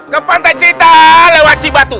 ke pantai cinta lewat jibatu